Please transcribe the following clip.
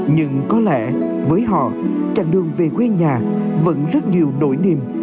nhưng có lẽ với họ chặng đường về quê nhà vẫn rất nhiều đổi niềm